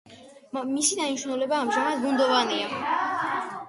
მისი დანიშნულება ამჟამად ბუნდოვანია.